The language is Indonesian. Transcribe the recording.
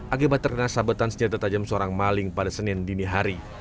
akibat terkena sabetan senjata tajam seorang maling pada senin dini hari